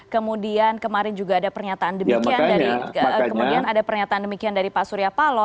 kemudian kemarin juga ada pernyataan demikian dari pak suryapalo